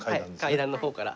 階段の方から。